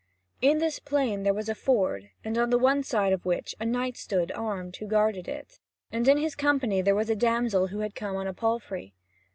In this plain there was a ford, on the other side of which a knight stood armed, who guarded it, and in his company there was a damsel who had come on a palfrey.